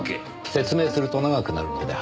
説明すると長くなるので省きます。